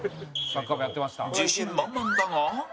自信満々だが